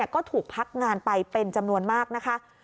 ก็ถูกพักงานไปเป็นจำนวนมากนะคะ